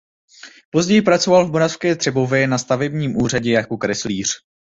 Později pracoval v Moravské Třebové na stavebním úřadě jako kreslíř.